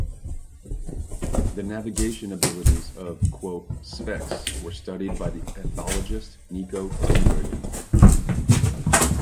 The navigation abilities of "Sphex" were studied by the ethologist Niko Tinbergen.